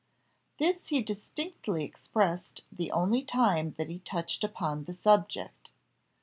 This he distinctly expressed the only time that he touched upon the subject.